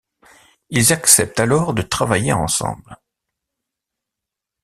Ils acceptent alors de travailler ensemble.